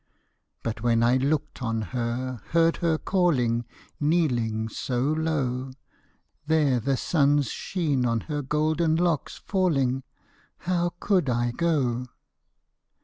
Rut when I looked on her, heard her calling. Kneeling so low, MY LADY'S SLIPPER 5 There the sun's sheen on golden locks falling, How could I go?